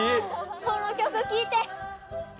この曲聴いて。